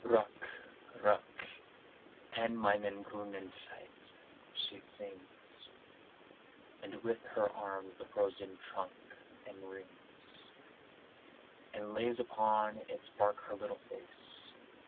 Ruck, ruck an meine grüne Seit! she sings And with her arms the frozen trunk enrings, And lays upon its bark her little face.